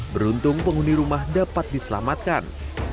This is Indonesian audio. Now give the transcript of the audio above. beruntung penghuni rumah dapat diselamatkan